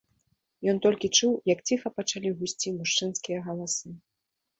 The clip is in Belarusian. Ён толькі чуў, як ціха пачалі гусці мужчынскія галасы.